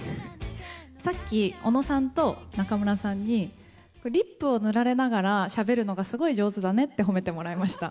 さっき尾野さんと中村さんにリップを塗られながらしゃべるのがすごい上手だねって褒めてもらいました。